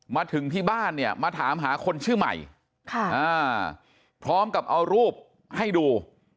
มาถึงที่บ้านเนี่ยมาถามหาคนชื่อใหม่พร้อมกับเอารูปให้ดู